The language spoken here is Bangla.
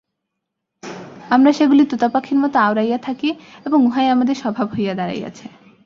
আমরা সেগুলি তোতাপাখীর মত আওড়াইয়া থাকি এবং উহাই আমাদের স্বভাব হইয়া দাঁড়াইয়াছে।